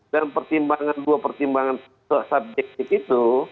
dan pertimbangan dua pertimbangan subjektif itu